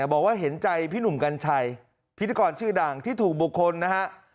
บอกว่าเห็นใจพี่หนุ่มกัญชัยพิธีกรชื่อดังที่ถูกบุคคลนะฮะ